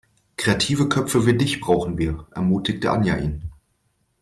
Kreative Köpfe wie dich brauchen wir, ermutigte Anja ihn.